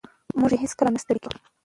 موږ هېڅکله نه ستړي کېږو.